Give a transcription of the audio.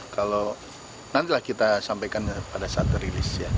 kalau nantilah kita sampaikan pada saat rilis ya